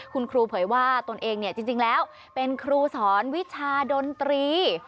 คุณครูเผยว่าตนเองจริงแล้วเป็นครูสอนวิชาดนตรี